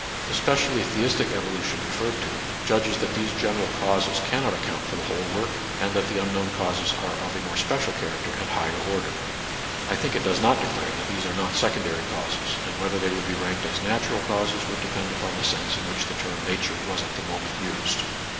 The specially theistic evolu tion referred to judges that these general causes cannot account for the whole work, and that the unknown causes are of a more special character and higher order. I think it does not declare that these are not secondary causes, and whether they would be ranked as natural causes would depend upon the sense in which the term Nature was at the moment used.